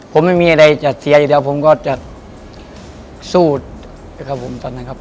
ผมไม่มีอะไรจะเสียอยู่แล้วผมก็จะสู้กับผมตอนนั้นครับ